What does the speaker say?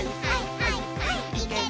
はいはい。